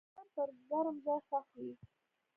مچان پر ګرم ځای خوښ وي